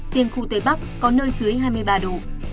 riêng khu tây bắc có nơi dưới hai mươi ba độ